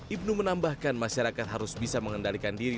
ibnu menambahkan masyarakat harus bisa mengendalikan diri